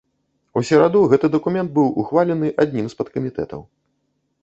У сераду гэты дакумент быў ухвалены адным з падкамітэтаў.